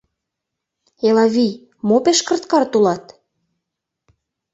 Элавий, мо пеш кырт-карт улат?